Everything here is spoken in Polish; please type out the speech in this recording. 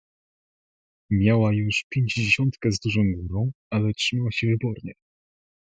"Miała już pięćdziesiątkę z dużą górą, ale trzymała się wybornie."